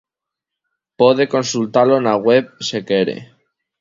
Pode consultalo na web, se quere.